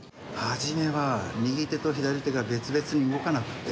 初めは右手と左手が別々に動かなくって。